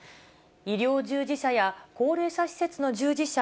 医療従事者や高齢者施設の従事者